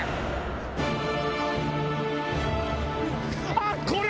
あっこれ